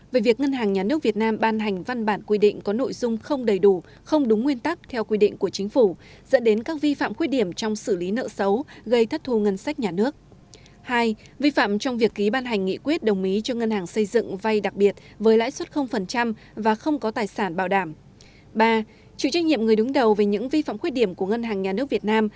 bí thư ban cán sẽ đứng đầu về những vi phạm khuyết điểm của ngân hàng nhà nước việt nam